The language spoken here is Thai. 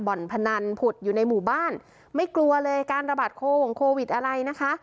นพนันผุดอยู่ในหมู่บ้านไม่กลัวเลยการระบาดโคหวงโควิดอะไรนะคะ